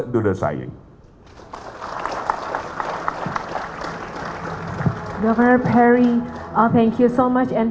dengan itu mari kita tanda